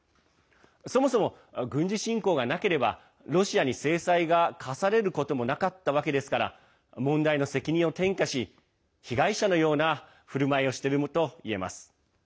そもそも軍事侵攻がなければロシアに制裁が科されることもなかったわけですから問題の責任を転嫁し被害者のようなふるまいをしているといえます。